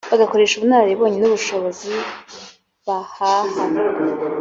bagakoresha ubunararibonye n’ubushobozi bahaha